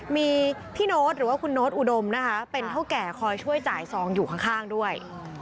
มีพี่โน๊ตหรือว่าคุณโน๊ตอุดมนะคะเป็นเท่าแก่คอยช่วยจ่ายซองอยู่ข้างด้วย